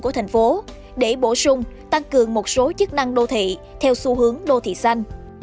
của thành phố để bổ sung tăng cường một số chức năng đô thị theo xu hướng đô thị xanh